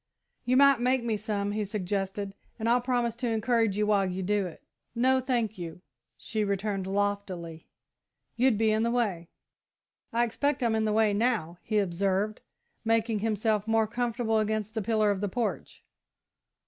"You might make me some," he suggested, "and I'll promise to encourage you while you do it." "No, thank you," she returned loftily; "you'd be in the way." "I expect I'm in the way now," he observed, making himself more comfortable against the pillar of the porch.